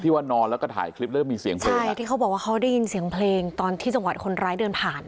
ว่านอนแล้วก็ถ่ายคลิปแล้วก็มีเสียงเพลงใช่ที่เขาบอกว่าเขาได้ยินเสียงเพลงตอนที่จังหวัดคนร้ายเดินผ่าน